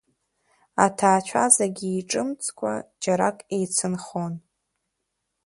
Аҭаацәа зегьы еиҿымҵкәа џьарак иеицынхон.